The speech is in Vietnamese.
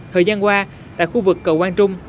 thời gian qua tại khu vực cầu quang trung